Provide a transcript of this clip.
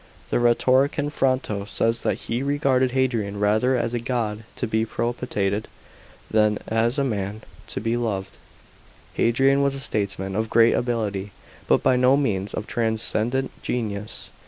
The rhetorician Fronto says that he regarded Hadrian rather as a god to be propitiated than as a man to be loved. § 4. Hadrian was a statesman of great ability, but by no means of transcendent genius.